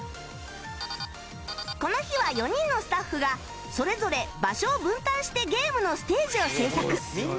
この日は４人のスタッフがそれぞれ場所を分担してゲームのステージを制作